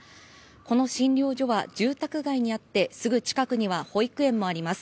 この診療所は住宅街にあってすぐ近くには保育園もあります。